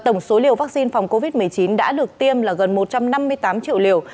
tổng số liều vaccine phòng covid một mươi chín đã được tiêm là gần một trăm năm mươi tám triệu liều